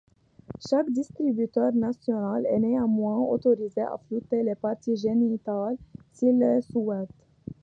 Chaque distributeur national est néanmoins autorisé à flouter les parties génitales s'il le souhaite.